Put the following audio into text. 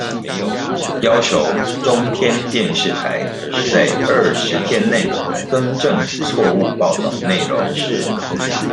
要求中天電視台在二十天內更正錯誤報導內容